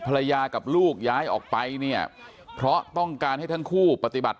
ภรรยากับลูกย้ายออกไปเนี่ยเพราะต้องการให้ทั้งคู่ปฏิบัติ